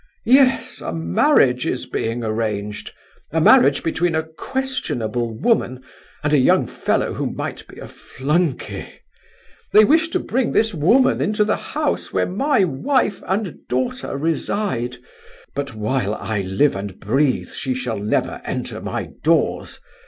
"Yes, a marriage is being arranged—a marriage between a questionable woman and a young fellow who might be a flunkey. They wish to bring this woman into the house where my wife and daughter reside, but while I live and breathe she shall never enter my doors.